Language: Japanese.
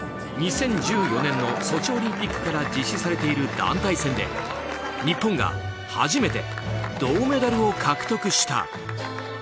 ２０１４年のソチオリンピックから実施されている団体戦で日本が初めて銅メダルを獲得した。